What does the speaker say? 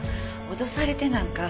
脅されてなんか。